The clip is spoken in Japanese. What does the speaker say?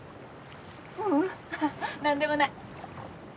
ううんハハ何でもない。